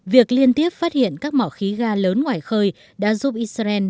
việc liên tiếp phát hiện các mỏ khí ga lớn ngoài khơi đã giúp israel